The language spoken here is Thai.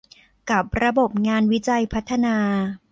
กับระบบงานวิจัยพัฒนา